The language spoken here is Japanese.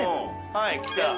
はい来た。